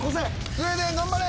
スウェーデン頑張れ！